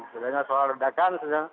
terdengar suara ledakan